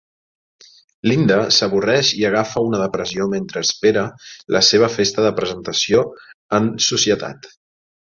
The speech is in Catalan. Linda s'avorreix i agafa una depressió mentre espera la seva festa de presentació en societat.